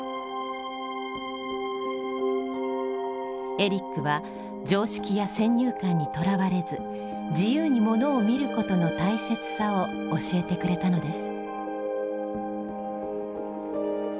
エリックは常識や先入観にとらわれず自由にものを見ることの大切さを教えてくれたのです。